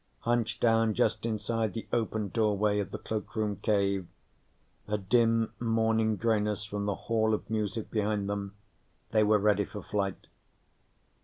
Hunched down just inside the open doorway of the cloakroom cave, a dim morning grayness from the Hall of Music behind them, they were ready for flight.